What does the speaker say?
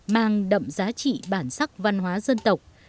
mang đậm giá trị bản sắc văn hóa dân tộc